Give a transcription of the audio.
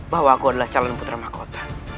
bahwa aku adalah calon putra mahkota